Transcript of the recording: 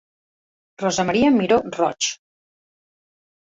Rosa Maria Miró Roig.